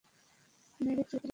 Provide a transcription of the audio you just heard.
মেরে চুপ করিয়ে দিলাম।